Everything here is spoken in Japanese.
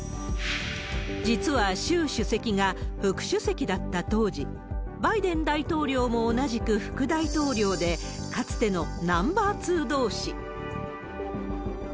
実は、習主席が副主席だった当時、バイデン大統領も同じく副大統領で、かつてのナンバー２どうし。